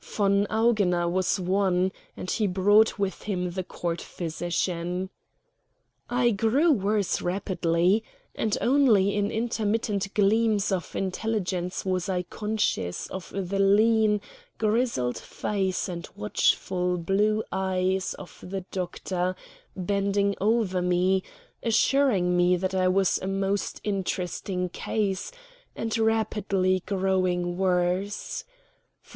Von Augener was one, and he brought with him the Court physician. I grew worse rapidly, and only in intermittent gleams of intelligence was I conscious of the lean, grizzled face and watchful blue eyes of the doctor bending over me, assuring me that I was a most interesting case, and rapidly growing worse.